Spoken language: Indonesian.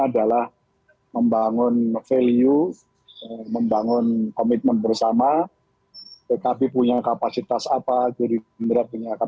sampai hari ini tidak ada figur lain